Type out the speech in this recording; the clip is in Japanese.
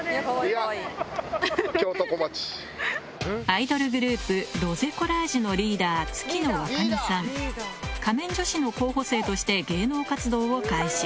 アイドルグループロゼコラージュのリーダー仮面女子の候補生として芸能活動を開始